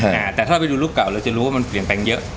แต่ถ้าเราไปดูรูปเก่าเราจะรู้ว่ามันเปลี่ยนแปลงเยอะ